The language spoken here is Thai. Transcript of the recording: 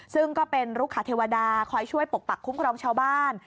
ซึ่งก็เป็นลูกขเทวดาคอยช่วยปกปักคุ้มครองชาวบ้าน